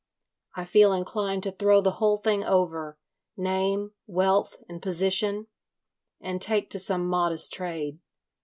I feel inclined to throw the whole thing over—name, wealth and position—and take to some modest trade.